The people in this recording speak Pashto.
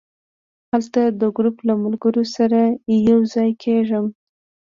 هلته د ګروپ له ملګرو سره یو ځای کېږم.